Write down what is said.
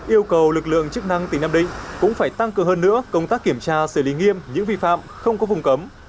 yêu cầu lực lượng chức năng tỉnh nam định cũng phải tăng cường hơn nữa công tác kiểm tra xử lý nghiêm những vi phạm không có vùng cấm